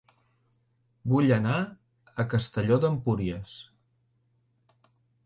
Vull anar a Castelló d'Empúries